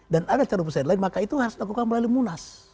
dan ada calon presiden lain maka itu harus dilakukan melalui munas